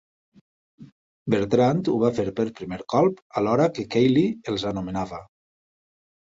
Bertrand ho va fer per primer cop alhora que Cayley els anomenava.